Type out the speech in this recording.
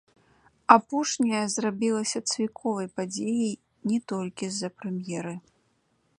Апошняя зрабілася цвіковай падзеяй не толькі з-за прэм'еры.